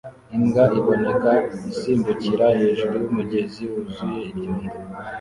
Imbwa iboneka isimbukira hejuru yumugezi wuzuye ibyondo